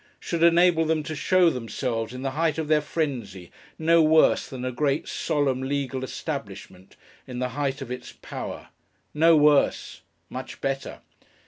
Should enable them to show themselves, in the height of their frenzy, no worse than a great, solemn, legal establishment, in the height of its power! No worse! Much better.